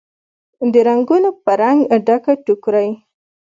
د رنګونوپه رنګ، ډکه ټوکرۍ